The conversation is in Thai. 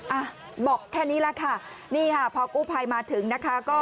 อ่ะบอกแค่นี้แหละค่ะพอกู้ไพมาถึงนะคะ